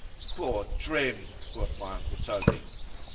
——Poor Trim! quoth my uncle _Toby.